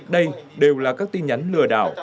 đây đều là các tin nhắn lừa đảo